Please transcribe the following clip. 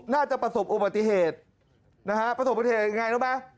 ประสบอุบัติเหตุนะฮะประสบปฏิเหตุยังไงรู้ไหม